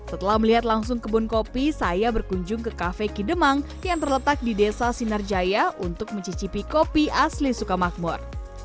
setelah melihat langsung kebun kopi saya berkunjung ke kafe kidemang yang terletak di desa sinarjaya untuk mencicipi kopi asli sukamakmur